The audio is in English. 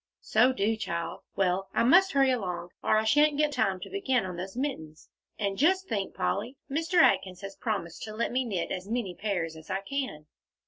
"So do, child. Well, I must hurry along, or I shan't get time to begin on those mittens. And just think, Polly, Mr. Atkins has promised to let me knit as many pairs as I can."